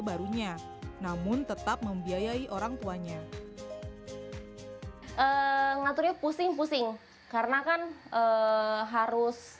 barunya namun tetap membiayai orang tuanya ngaturnya pusing pusing karena kan harus